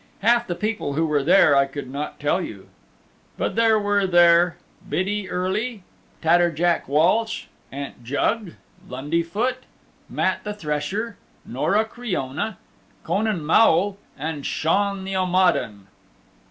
Half the people who were there I could not tell you, but there were there Biddie Early Tatter Jack Walsh Aunt Jug Lundy Foot Matt the Thresher Nora Criona Conan Maol, and Shaun the Omadhaun.